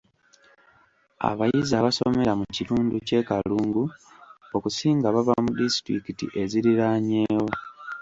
Abayizi abasomera mu kitundu ky’e Kalungu okusinga bava mu disitulikiti eziriraanyeewo